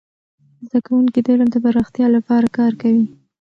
زده کوونکي د علم د پراختیا لپاره کار کوي.